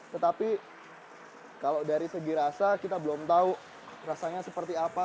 tetapi kalau dari segi rasa kita belum tahu rasanya seperti apa